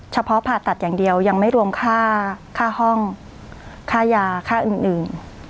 ผ่าตัดอย่างเดียวยังไม่รวมค่าห้องค่ายาค่าอื่น